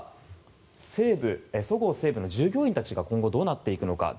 そごう・西武の従業員たちが今後どうなっていくのか。